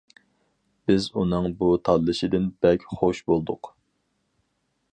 بىز ئۇنىڭ بۇ تاللىشىدىن بەك خوش بولدۇق.